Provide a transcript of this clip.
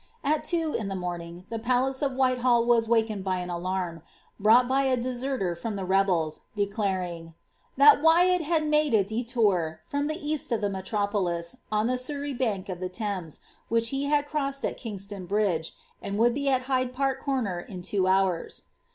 At two in the moming the pdsei of Whitehall was wakened by an alarm, brooglit Iqr a deaerler finra ibi rebels, declaring ^that Wyatt had made a moht, fion. the east of fkt metropolis,^ on the Sorrey bank of the Thames, .whieh he had evossed it Kingston Bridge, and would be at Hyde Bsik Comer in two hoars.''